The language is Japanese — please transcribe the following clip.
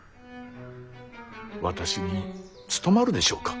私に務まるでしょうか。